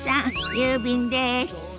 郵便です。